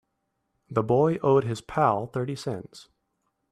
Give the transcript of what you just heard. The boy owed his pal thirty cents.